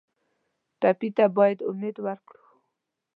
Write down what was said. ټپي ته باید امید ورکړو.